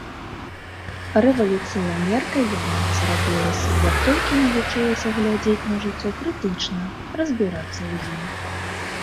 Рэвалюцыянеркай я рана зрабілася, як толькі навучылася глядзець на жыццё крытычна, разбірацца ў ім.